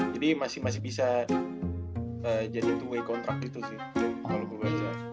jadi masih bisa jadi dua way contract gitu sih kalau gue baca